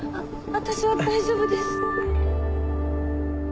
私は大丈夫です。